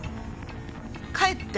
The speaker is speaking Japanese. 帰って。